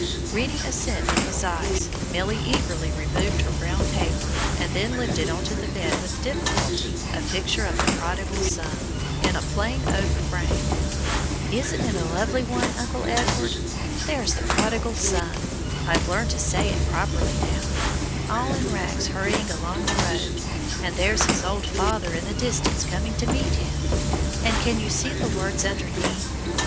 Reading assent in his eyes, Milly eagerly removed her brown paper, and then lifted on to the bed with difficulty a picture of the Prodigal Son, in a plain oak frame. "Isn't it a lovely one, Uncle Edward? There's the prodigal son I've learned to say it properly now all in rags hurrying along the road, and there's his old father in the distance coming to meet him; and can you see the words underneath?